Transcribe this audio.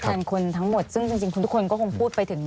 ทั้งคนทั้งหมดซึ่งจริงจริงคุณทุกคนก็คงพูดไปถึง